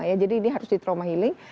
ya jadi ini harus di trauma healing